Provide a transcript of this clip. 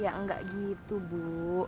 ya enggak gitu bu